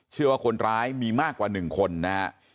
เชื่อว่าคนร้ายมีมากกว่า๑คนนะฮะ